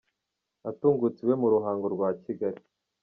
Atungutse iwe mu Ruhango rwa Kigali.